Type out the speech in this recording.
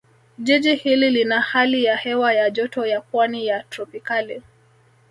Jiji hili lina hali ya hewa ya Joto ya Pwani ya Tropicali